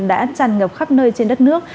đã tràn ngập khắp nơi trên đất nước